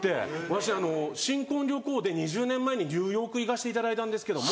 私新婚旅行で２０年前にニューヨーク行かせていただいたんですけども。